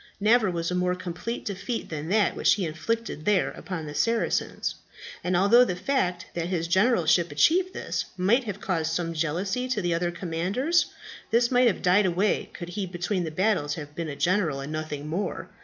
Never was a more complete defeat than that which he inflicted there upon the Saracens; and although the fact that his generalship achieved this, might have caused some jealousy to the other commanders, this might have died away could he between the battles have been a general, and nothing more.